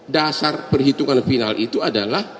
dasar perhitungan final itu adalah